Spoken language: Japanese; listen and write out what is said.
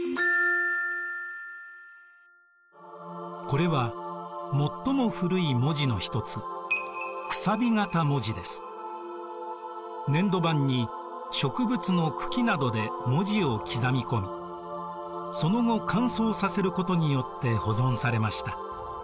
これは最も古い文字の一つ粘土板に植物の茎などで文字を刻み込みその後乾燥させることによって保存されました。